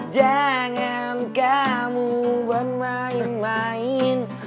jangan kamu bermain main